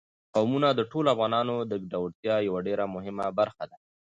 قومونه د ټولو افغانانو د ګټورتیا یوه ډېره مهمه برخه ده.